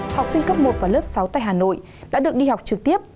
học sinh cấp một và lớp sáu tại hà nội đã được đi học trực tiếp